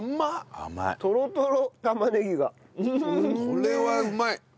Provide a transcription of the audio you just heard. これはうまい。